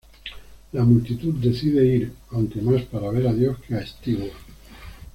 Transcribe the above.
La multitud decide ir aunque mas para ver a Dios que a Stewart.